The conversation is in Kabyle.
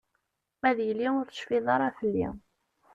Ad yili ur tecfiḍ ara fell-i.